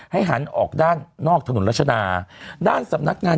หันออกด้านนอกถนนรัชดาด้านสำนักงาน